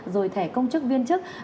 rồi thẻ công chức viên chức